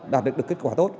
đạt được kết quả tốt